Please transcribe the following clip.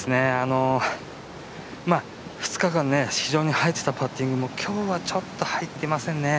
２日間非常に入ってたパッティングも今日はちょっと入っていませんね。